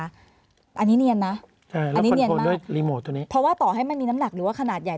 อันนี้เนียนนะอันนี้เนียนมากด้วยรีโมทตัวนี้เพราะว่าต่อให้มันมีน้ำหนักหรือว่าขนาดใหญ่